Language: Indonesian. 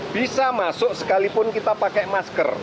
bisa masuk sekalipun kita pakai masker